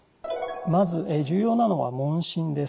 まず重要なのは問診です。